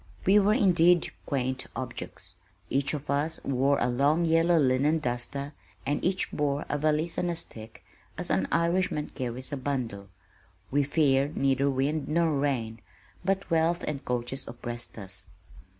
We were indeed, quaint objects. Each of us wore a long yellow linen "duster" and each bore a valise on a stick, as an Irishman carries a bundle. We feared neither wind nor rain, but wealth and coaches oppressed us.